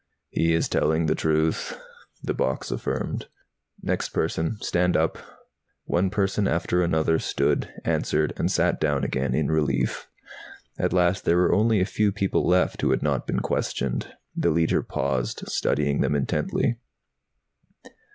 "He is telling the truth," the box affirmed. "Next person! Stand up!" One person after another stood, answered, and sat down again in relief. At last there were only a few people left who had not been questioned. The Leiter paused, studying them intently.